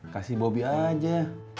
kasih bobby aja